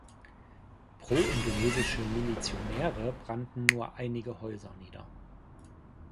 Pro-indonesische Milizionäre brannten nur einige Häuser nieder.